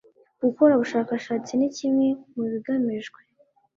gukora ubushakashatsi ni kimwe mu bigamijwe